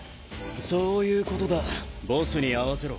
そういうことだボスに会わせろ。